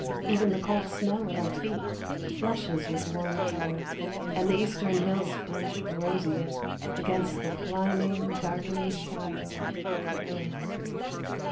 Even the cold snow at our feet flushes with warm color, and the eastern hills blush roseate against the climbing, darkening shadow of the earth.